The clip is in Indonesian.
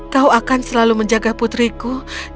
kau akan selalu menjaga putriku